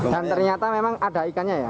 dan ternyata memang ada ikannya ya